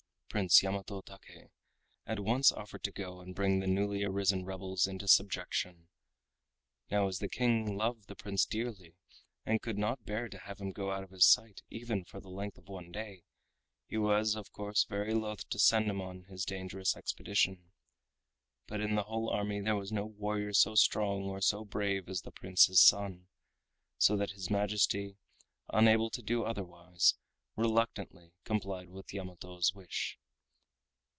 Prince Yamato Take at once offered to go and bring the newly arisen rebels into subjection. Now as the King loved the Prince dearly, and could not bear to have him go out of his sight even for the length of one day, he was of course very loath to send him on his dangerous expedition. But in the whole army there was no warrior so strong or so brave as the Prince his son, so that His Majesty, unable to do otherwise, reluctantly complied with Yamato's wish.